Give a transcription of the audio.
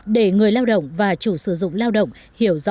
để người lao động và chủ sử dụng lao động hiểu rõ